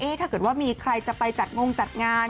ถ้าเกิดว่ามีใครจะไปจัดงงจัดงาน